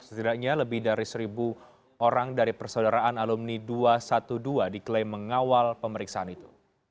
setidaknya lebih dari seribu orang dari persaudaraan alumni dua ratus dua belas diklaim mengawal pemeriksaan itu